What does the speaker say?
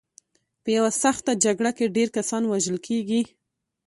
په یوه سخته جګړه کې ډېر کسان وژل کېږي.